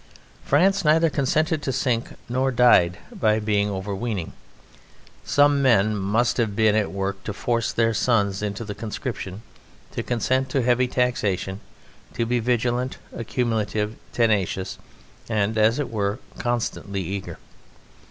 France neither consented to sink nor died by being overweening. Some men must have been at work to force their sons into the conscription, to consent to heavy taxation, to be vigilant, accumulative, tenacious, and, as it were, constantly eager.